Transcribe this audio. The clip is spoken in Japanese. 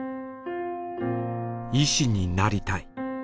医師になりたい。